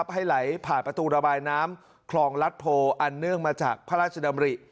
ให้ไหลผ่านประตูระบายน้ำคลองรัฐโพอันเนื่องมาจากพระราชดำริ